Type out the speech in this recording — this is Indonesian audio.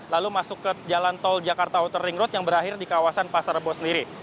lalu masuk ke jalan tol jakarta outer ring road yang berakhir di kawasan pasar bo sendiri